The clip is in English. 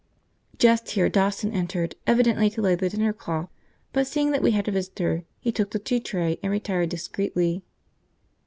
Just here Dawson entered, evidently to lay the dinner cloth, but, seeing that we had a visitor, he took the tea tray and retired discreetly.